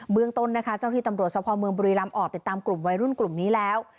เมืองต้นนะคะเจ้าที่ตำรวจสภเมืองบุรีรำออกติดตามกลุ่มวัยรุ่นกลุ่มนี้แล้ว